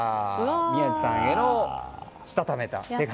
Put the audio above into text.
宮司さんへしたためた手紙。